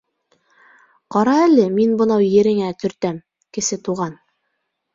— Ҡара әле, мин бынау ереңә төртәм, Кесе Туған!